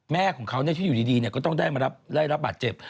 แม่ของเขาที่อยู่ดีก็ต้องได้รับบาดเจ็บ